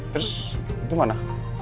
terus itu mana